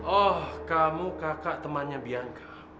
oh kamu kakak temannya biangka